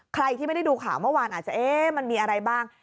ใครที่ไม่ได้ดูข่าวเมื่อวานอาจจะเอ๊ะมันมีอะไรบ้าง